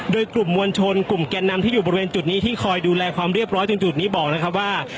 โดยกลุ่มมวลชนกลุ่มแก่นนำที่อยู่บริเวณจุดนี้ที่คอยดูแลความเรียบร้อยตรงจุดนี้บอกนะครับว่า